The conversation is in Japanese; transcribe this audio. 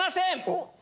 おっ。